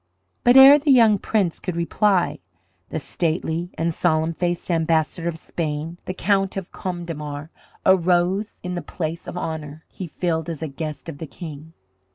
But ere the young Prince could reply, the stately and solemn faced ambassador of Spain, the Count of Gondemar, arose in the place of honour he filled as a guest of the King.